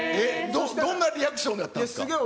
どんなリアクションだったんすげー